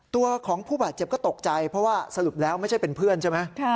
ตัวของผู้บาดเจ็บก็ตกใจเพราะว่าสรุปแล้วไม่ใช่เป็นเพื่อนใช่ไหม